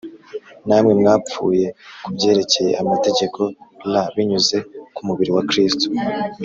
Namwe mwapfuye ku byerekeye amategeko r binyuze ku mubiri wa kristo